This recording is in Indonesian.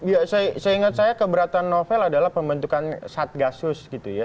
ya seingat saya keberatan novel adalah pembentukan satgasus gitu ya